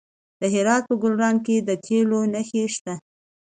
د هرات په ګلران کې د تیلو نښې شته.